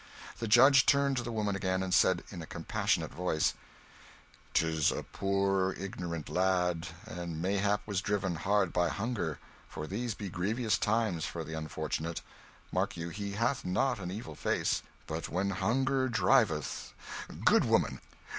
The judge turned to the woman again, and said, in a compassionate voice "'Tis a poor ignorant lad, and mayhap was driven hard by hunger, for these be grievous times for the unfortunate; mark you, he hath not an evil face but when hunger driveth Good woman!